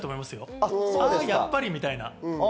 あやっぱりみたいな。